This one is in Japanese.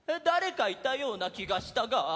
だれかいたようなきがしたが。